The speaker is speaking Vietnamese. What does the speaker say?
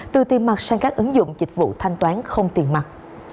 từ tiền mặt sang các ứng dụng dịch vụ thanh toán không tiền mặt